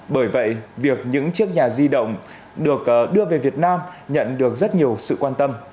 bởi vậy việc những chiếc nhà di động được đưa về việt nam nhận được rất nhiều sự quan tâm